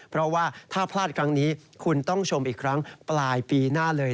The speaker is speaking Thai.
เพราะว่าถ้าพลาดครั้งนี้คุณต้องชมอีกครั้งปลายปีหน้าเลย